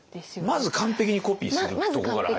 まず完璧にコピーするとこから入りますね。